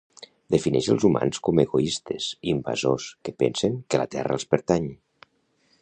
Defineix els humans com egoistes invasors que pensen que la Terra els pertany